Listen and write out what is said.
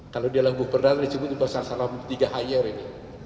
kalau di alam buperdal disebut juga sasar lamu tiga hayer ini